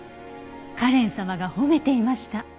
カレン様が褒めていました。